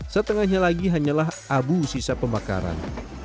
setengahnya lagi hanyalah abu sisa pembakaran